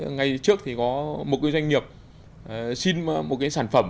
ngày trước thì có một cái doanh nghiệp xin một cái sản phẩm